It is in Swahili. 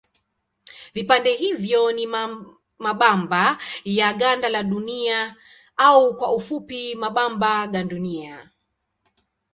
Vipande hivyo ni mabamba ya ganda la Dunia au kwa kifupi mabamba gandunia.